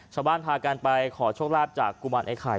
ชาวบ้านพากันไปขอโชคลาภจากกุมารไอไข่